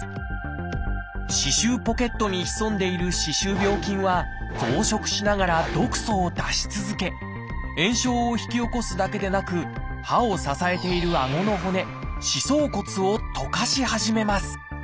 歯周ポケットに潜んでいる歯周病菌は増殖しながら毒素を出し続け炎症を引き起こすだけでなく歯を支えているあごの骨「歯槽骨」をとかし始めます。